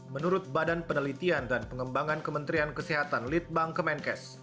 menurut badan penelitian dan pengembangan kementerian kesehatan litbang kemenkes